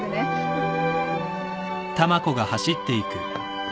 うん。